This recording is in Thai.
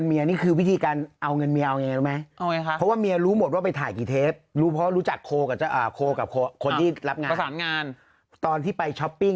เพราะว่ามีดาราบางคน